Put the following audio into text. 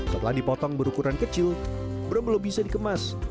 setelah dipotong berukuran kecil bro belum bisa dikemas